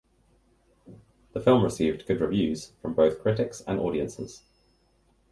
The film received good reviews from both critics and audiences.